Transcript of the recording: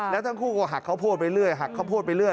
แล้วทั้งคู่ก็หักข้าวโพดไปเรื่อยหักข้าวโพดไปเรื่อย